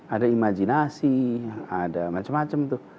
ada imajinasi ada macam macam tuh